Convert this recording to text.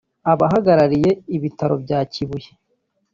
abahagarariye Ibitaro bya Kibuye